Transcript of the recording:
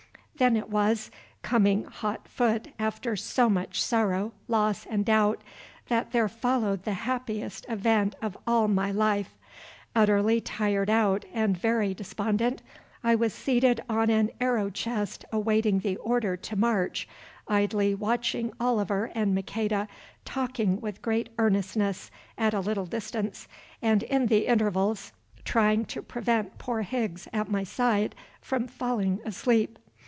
Then it was, coming hot foot after so much sorrow, loss and doubt, that there followed the happiest event of all my life. Utterly tired out and very despondent, I was seated on an arrow chest awaiting the order to march, idly watching Oliver and Maqueda talking with great earnestness at a little distance, and in the intervals trying to prevent poor Higgs at my side from falling asleep.